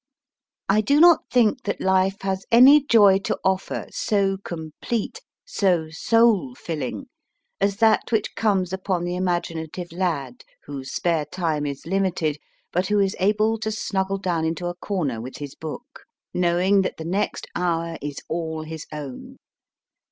I do not think that life has any joy to offer so com plete, so soul filling as that which comes upon the imaginative lad, whose spare time is limited, but who is able to snuggle down into a corner with his book, knowing that the next hour is all his own.